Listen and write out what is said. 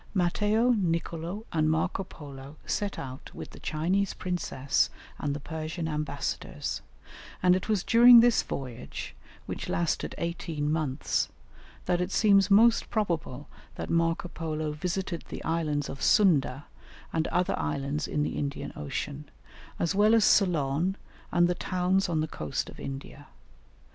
Matteo, Nicolo, and Marco Polo set out with the Chinese princess and the Persian ambassadors, and it was during this voyage, which lasted eighteen months, that it seems most probable that Marco Polo visited the islands of Sunda and other islands in the Indian Ocean, as well as Ceylon and the towns on the coast of India.